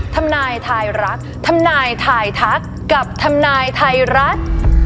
ทำนายทายรักทำนายทายทักกับทำนายไทยรัฐ